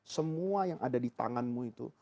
semua yang ada di tanganmu itu